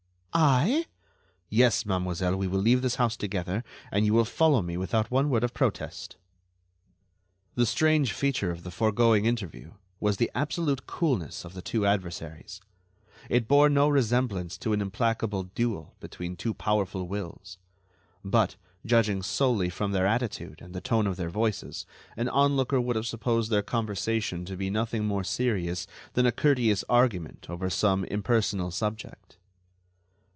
"I?" "Yes, mademoiselle, we will leave this house together, and you will follow me without one word of protest." The strange feature of the foregoing interview was the absolute coolness of the two adversaries. It bore no resemblance to an implacable duel between two powerful wills; but, judging solely from their attitude and the tone of their voices, an onlooker would have supposed their conversation to be nothing more serious than a courteous argument over some impersonal subject.